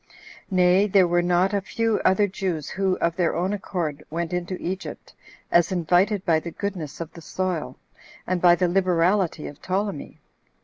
Nay, there were not a few other Jews who, of their own accord, went into Egypt, as invited by the goodness of the soil, and by the liberality of Ptolemy.